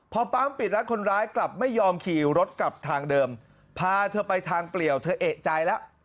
พอปั๊มปิดร้านคนร้ายกลับไม่ยอมขี่รถกลับทางเดิมพาเธอไปทางเปลี่ยวเธอเอกใจแล้ว